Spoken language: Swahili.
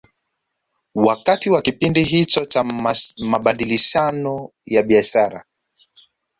Wakati wa kipindi hicho cha mabadilishano ya biashara